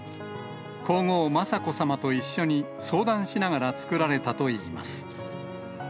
皇后雅子さまと一緒に、相談しながら作られたといいます。